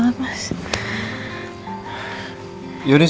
aku pengen sembuh namas